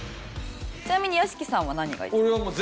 ちなみに屋敷さんは何が一番？